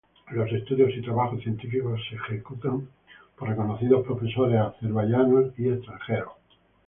Los estudios y trabajos científicos se ejecutan por reconocidos profesores azerbaiyanos y extranjeros.